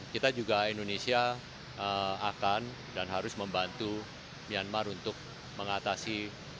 kita juga indonesia akan dan harus membantu myanmar untuk mengatasi